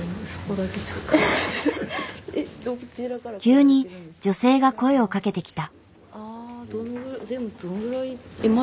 急に女性が声をかけてきた。